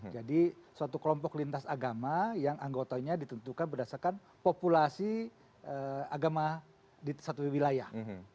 jadi suatu kelompok lintas agama yang anggotanya ditentukan berdasarkan populasi agama di satu wilayah